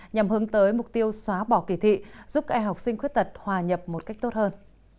nhằm hướng tới mục tiêu xóa bỏ kỳ thị giúp các em học sinh khuyết tật hòa nhập một cách tốt hơn